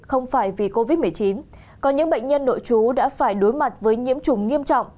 không phải vì covid một mươi chín có những bệnh nhân nội chú đã phải đối mặt với nhiễm chủng nghiêm trọng